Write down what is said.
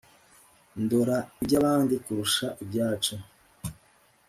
ndora iby ' abandi kurusha ibyacu